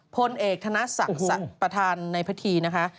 พลเอกธนสัตว์สัตว์ประธานในพฤธีนะคะ